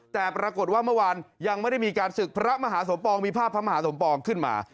แต่ปรากฏว่าเมื่อวานยังไม่ได้มีการศึกพระมหาสมปองมีภาพพระมหาสมปองขึ้นมา